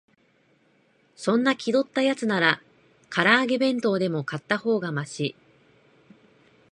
そんな気取ったやつなら、から揚げ弁当でも買ったほうがマシ